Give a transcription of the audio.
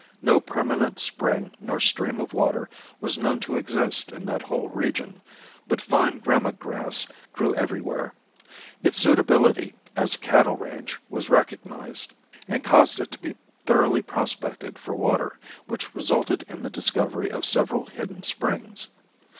No permanent spring nor stream of water was known to exist in that whole region, but fine gramma grass grew everywhere. Its suitability as a cattle range was recognized and caused it to be thoroughly prospected for water, which resulted in the discovery of several hidden springs.